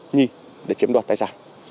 nhi để chiếm đoạt tài sản